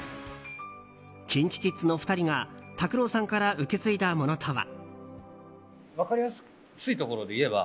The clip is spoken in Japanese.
ＫｉｎＫｉＫｉｄｓの２人が拓郎さんから受け継いだものとは。